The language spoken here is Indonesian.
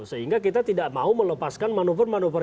sehingga kita tidak mau melepaskan manuver manuver